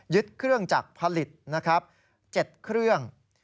ยึดเครื่องจากผลิต๗เครื่อง